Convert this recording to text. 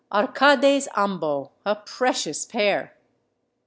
Arcades ambo—a precious pair!